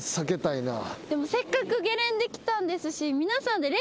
でもせっかくゲレンデ来たんですし。